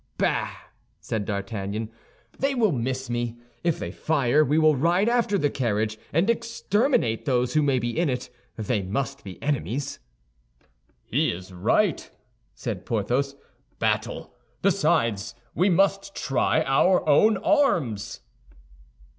"Bah!" said D'Artagnan, "they will miss me; if they fire we will ride after the carriage, and exterminate those who may be in it. They must be enemies." "He is right," said Porthos; "battle. Besides, we must try our own arms."